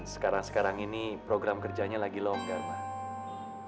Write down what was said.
sekarang sekarang ini program kerjanya lagi longgar mbak